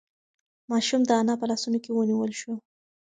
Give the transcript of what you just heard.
ماشوم د انا په لاسونو کې ونیول شو.